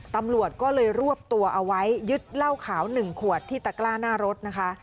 ตำรวจก็เลยรวบตัวเอาไว้ยึดเหล้าขาว๑ขวดที่ตะกล้าหน้ารถนะคะ